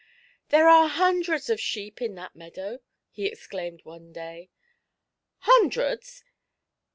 '' There are hundreds of sheep in that meadow !" he exclaimed one dav. Hundreds